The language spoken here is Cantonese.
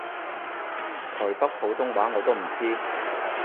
台北普通話我都唔知